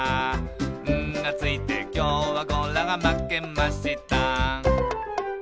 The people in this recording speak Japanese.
「『ん』がついてきょうはゴラがまけました」